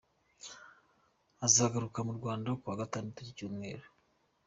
Azagaruka mu Rwanda kuwa gatandatu w’iki cyumweru.